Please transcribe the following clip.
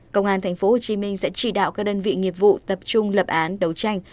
công an tp hcm sẽ chỉ đạo các đơn vị nghiệp vụ tập trung lập án đấu tranh